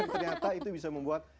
ternyata itu bisa membuat